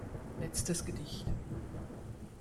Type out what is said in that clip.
Letztes Gedicht.